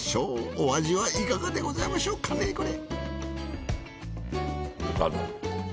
お味はいかがでございましょうかねこれ。